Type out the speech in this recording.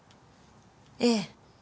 ええ。